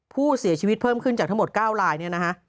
ผู้เสียชีวิตเพิ่มขึ้นจากทั้งหมด๙ลายเนี่ยนะฮะ